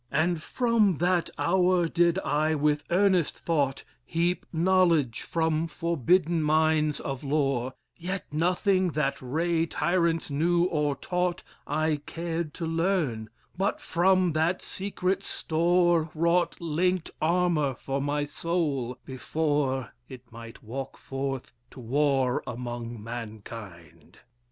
'"..... And from that hour did I, with earnest thought, Heap knowledge from forbidden mines of lore; Yet nothing that ray tyrants knew or taught I cared to learn, but from that secret store Wrought linked armour for my soul, before It might walk forth to war among mankind."